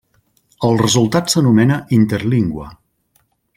El resultat s'anomena interlingua.